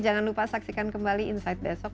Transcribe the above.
jangan lupa saksikan kembali insight besok